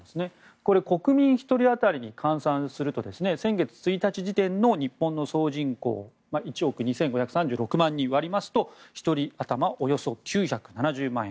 これ国民１人当たりに換算すると先月１日時点の日本の総人口の１億２５３６万人で割りますと１人頭およそ９７０万円。